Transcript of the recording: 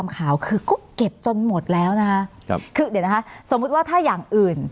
เก็บจนหมดแล้วนะคือเดี๋ยวนะคะสมมุติว่าถ้าอย่างอื่น